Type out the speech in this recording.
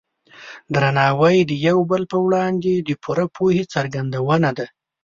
درناوی د یو بل په وړاندې د پوره پوهې څرګندونه ده.